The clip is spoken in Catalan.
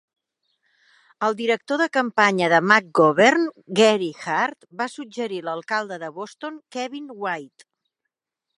El director de campanya de McGovern, Gary Hart, va suggerir l'alcalde de Boston Kevin White.